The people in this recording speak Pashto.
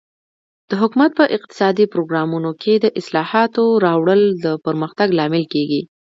د حکومت په اقتصادي پروګرامونو کې د اصلاحاتو راوړل د پرمختګ لامل کیږي.